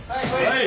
はい。